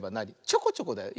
ちょこちょこだよ。